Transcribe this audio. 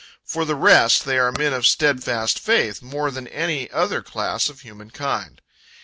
For the rest, they are men of steadfast faith, more than any other class of mankind.